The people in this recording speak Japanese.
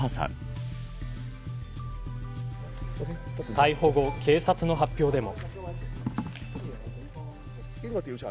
逮捕後、警察の発表でも。